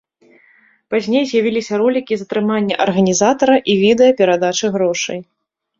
Пазней з'явіліся ролікі, затрымання арганізатара і відэа перадачы грошай.